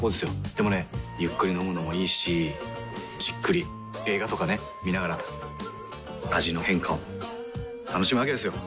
でもねゆっくり飲むのもいいしじっくり映画とかね観ながら味の変化を楽しむわけですよ。